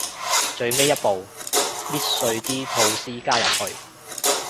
最尾一步，搣碎啲吐司加入去